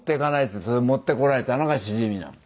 ってそれで持ってこられたのがしじみなの。